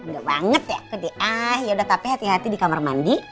gede ah yaudah tapi hati hati di kamar mandi